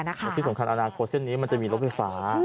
แต่ที่สำคัญอนาคตเส้นนี้มันจะมีรถไฟฟ้า